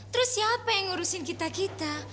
terus siapa yang ngurusin kita kita